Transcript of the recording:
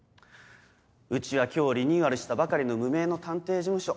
うちは今日リニューアルしたばかりの無名の探偵事務所。